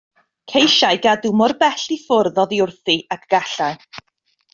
Ceisiai gadw mor bell i ffwrdd oddi wrthi ag y gallai.